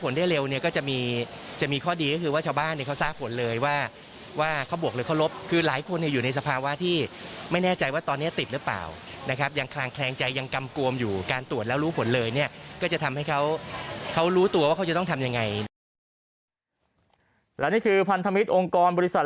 และนี่คือพันธมิตรองค์กรบริษัท